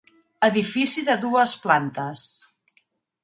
Edifici de dues plantes.